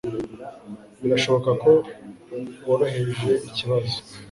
Birashoboka ko woroheje ikibazo.